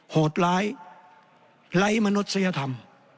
โหดร้ายไร้มนุษยธรรม